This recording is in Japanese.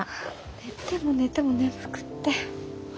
寝ても寝ても眠くって。